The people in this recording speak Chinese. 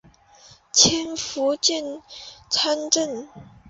迁福建参政。